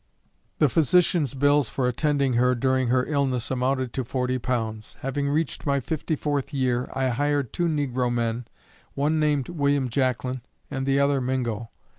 The physician's bills for attending her during her illness amounted to forty pounds. Having reached my fifty fourth year, I hired two negro men, one named William Jacklin, and the other Mingo.